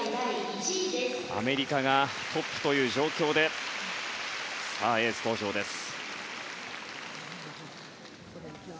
アメリカがトップという状況でさあ、エース登場です。